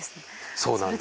そうなんです